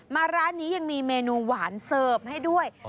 ร้านนี้ยังมีเมนูหวานเสิร์ฟให้ด้วย